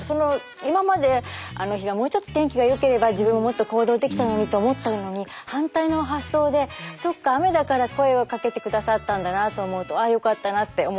今まであの日がもうちょっと天気が良ければ自分ももっと行動できたのにと思ったのに反対の発想でそっか雨だから声を掛けて下さったんだなと思うとああ良かったなって思いました。